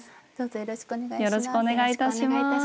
よろしくお願いします。